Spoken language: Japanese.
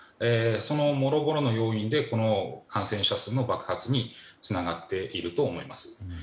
そのもろもろの要因でこの感染者数の爆発につながっていると思います。